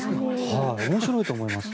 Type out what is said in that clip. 面白いと思います。